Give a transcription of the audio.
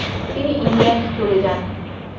তিনি ইংল্যান্ড চলে যান।